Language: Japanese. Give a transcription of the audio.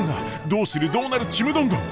どうするどうなるちむどんどん！